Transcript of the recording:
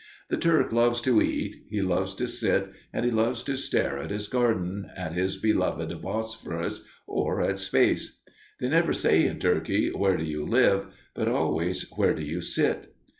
The Turk loves to eat, he loves to sit, and he loves to stare at his garden, at his beloved Bosporus, or at space. They never say in Turkey, "Where do you live?" but always, "Where do you sit?"